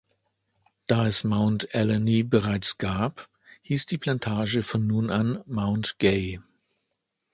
Da es Mount Alleyne bereits gab, hieß die Plantage von nun an Mount Gay.